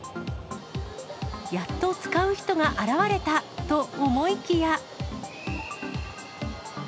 やっと使う人が現れたと思いきや。